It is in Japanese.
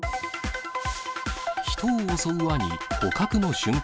人を襲うワニ、捕獲の瞬間。